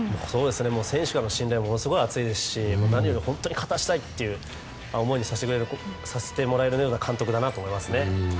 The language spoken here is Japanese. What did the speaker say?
選手からの信頼もものすごく厚いですし何より本当に勝たせたいっていう思いにさせてもらえる監督だなと思います。